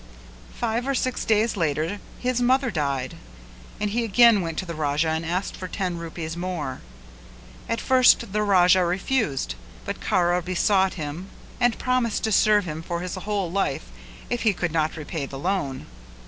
Five or six days later his mother died, and he again went to the Raja and asked for ten rupees more; at first the Raja refused but Kara besought him and promised to serve him for his whole life if he could not repay the loan.